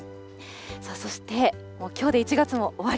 そして、きょうで１月も終わり。